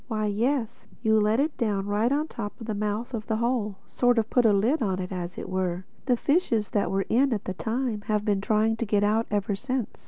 Why yes: you let it down right on top of the mouth of the Hole—sort of put the lid on, as it were. The fishes that were in it at the time have been trying to get out ever since.